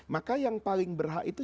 maka yang paling berhak itu